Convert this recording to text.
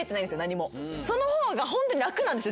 その方がホントに楽なんですよ